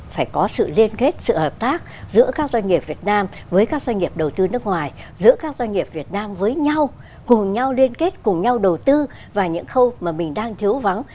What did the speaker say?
phải có sự liên kết sự hợp tác giữa các doanh nghiệp việt nam với các doanh nghiệp đầu tư nước ngoài giữa các doanh nghiệp việt nam với nhau cùng nhau liên kết cùng nhau đầu tư vào những khâu mà mình đang thiếu vắng